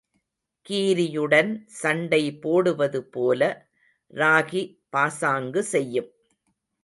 கீரியுடன் சண்டை போடுவதுபோல ராகி பாசாங்கு செய்யும்.